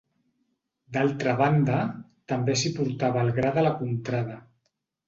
D'altra banda, també s'hi portava el gra de la contrada.